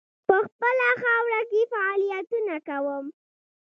په خپله خاوره کې فعالیتونه کوم.